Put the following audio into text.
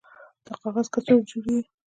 د کاغذ کڅوړې جوړیږي؟